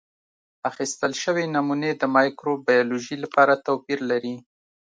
اخیستل شوې نمونې د مایکروبیولوژي لپاره توپیر لري.